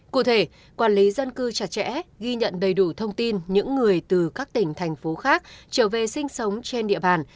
cụ thể quản lý dân cư chặt chẽ ghi nhận đầy đủ thông tin những người từ các tỉnh thành phố khác trở về sinh sống trên địa bàn